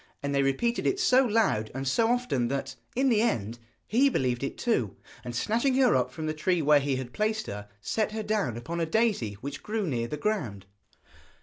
And they repeated it so loud and so often that, in the end, he believed it too, and snatching her up from the tree where he had placed her, set her down upon a daisy which grew near the ground.